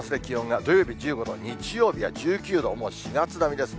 土曜日１５度、日曜日は１９度、もう４月並みですね。